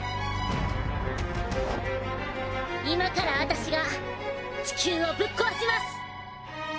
今から私が地球をぶっ壊します。